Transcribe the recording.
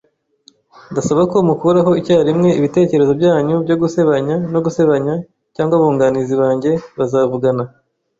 Ndasaba ko mukuraho icyarimwe ibitekerezo byanyu byo gusebanya no gusebanya cyangwa abunganizi banjye bazavugana.